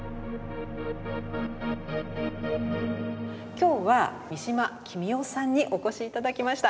今日は三島喜美代さんにお越し頂きました。